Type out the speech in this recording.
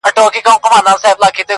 د تربور غاښ په تربره ماتېږي.